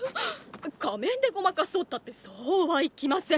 仮面でごまかそうたってそうはいきません。